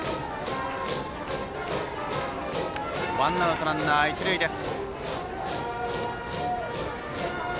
ワンアウトランナー一塁です。